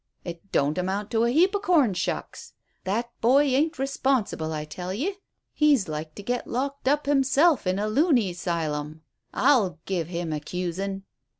It don't amount to a heap o' corn shucks. That boy ain't responsible, I tell ye. He's like to get locked up himself in a luny 'sylum. I'll give him accusin'!"